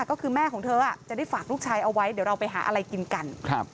ก็คือแม่ของเธอจะได้ฝากลูกชายเอาไว้เดี๋ยวเราไปหาอะไรกินกัน